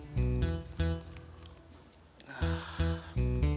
lagi lagi siapa juga yang marah sama kita kita kan